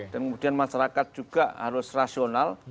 dan kemudian masyarakat juga harus rasional